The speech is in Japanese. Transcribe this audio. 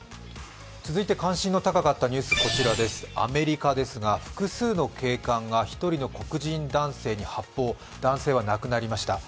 続いて関心の高かったニュース、こちらです、アメリカですが複数の警官が１人の黒人男性に発砲男性は亡くなりました。